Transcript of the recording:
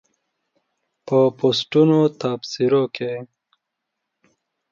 په پوسټونو تبصرو کې